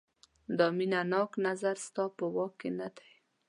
دا مینه ناک نظر ستا په واک کې نه دی.